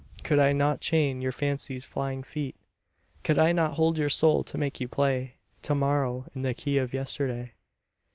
Could I not chain your fancy's flying feet? Could I not hold your soul to make you play To morrow in the key of yesterday